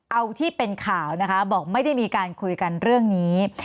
เอาที่เป็นข่าวนะคะบอกไม่ได้มีการคุยกันเรื่องนี้